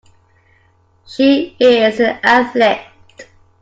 She is an Athlete.